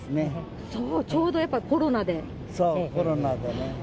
そう、ちょうどやっぱコロナそう、コロナでね。